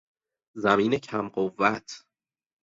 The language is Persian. زمین کم قوت